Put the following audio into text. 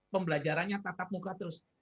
pembelajaran yang tatap muka terus